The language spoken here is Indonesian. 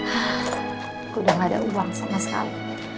aku udah gak ada uang sama sekali